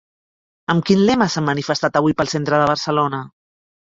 Amb quin lema s'han manifestat avui pel centre de Barcelona?